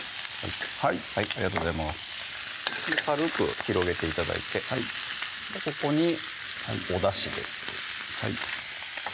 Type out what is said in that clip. はいはいありがとうございます軽く広げて頂いてはいここにおだしです